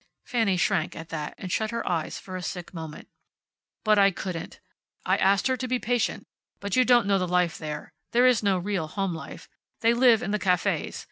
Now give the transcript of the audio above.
Fanny shrank at that, and shut her eyes for a sick moment. "But I couldn't. I asked her to be patient. But you don't know the life there. There is no real home life. They live in the cafes.